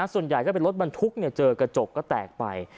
ส่วนใหญ่ก็เป็นรถบรรทุกเจอกระจกก็แตกไป